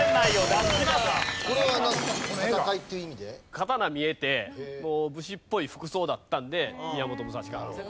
刀見えて武士っぽい服装だったので宮本武蔵かなと。